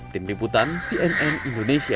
tim liputan cnn indonesia